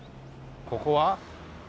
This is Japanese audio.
ここは？